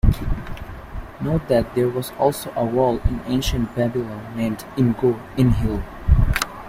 Note that there was also a wall in ancient Babylon named Imgur-Enlil.